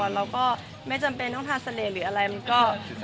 เราก็ไม่จำเป็นต้องทาเสน่ห์หรืออะไรมันก็